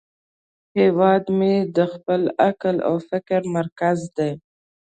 هیواد مې د خپل عقل او فکر مرکز دی